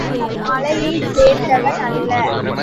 அவன் நம் மலையைச் சேர்ந்தவன் அல்ல.